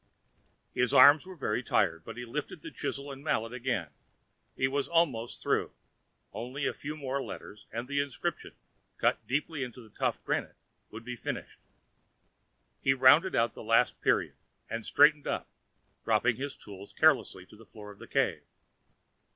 His arms were very tired, but he lifted the chisel and mallet again. He was almost through; only a few more letters and the inscription, cut deeply into the tough granite, would be finished. He rounded out the last period and straightened up, dropping his tools carelessly to the floor of the cave.